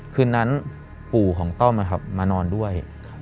คืนนั้นปู่ของต้อมมานอนด้วย